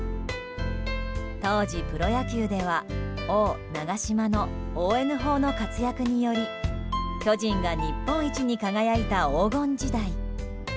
当時、プロ野球では王、長嶋のＯＮ砲の活躍により巨人が日本一に輝いた黄金時代。